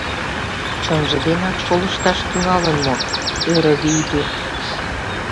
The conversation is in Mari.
— Чынже денак шолышташ тӱҥалын мо? — ӧрӧ Вийду.